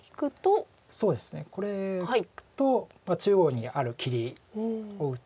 これ利くと中央にある切りを打って。